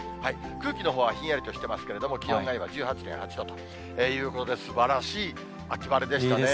空気のほうはひんやりとしていますけれども、気温が今１８．８度ということで、すばらしい秋晴れでしたね。